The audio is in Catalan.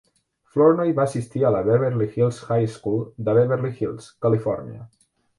Flournoy va assistir a la Beverly Hills High School de Beverly Hills, Califòrnia.